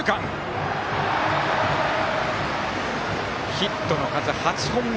ヒットの数８本目。